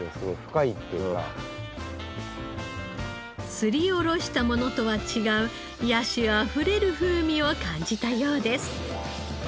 すりおろしたものとは違う野趣あふれる風味を感じたようです。